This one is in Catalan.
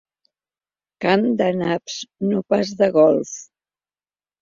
Camp de naps, no pas de golf.